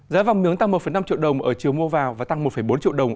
giá vàng miếng tăng một năm triệu đồng ở chiều mua vào và tăng một bốn triệu đồng